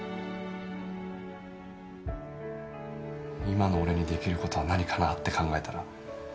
今の俺にできる事は何かなって考えたら。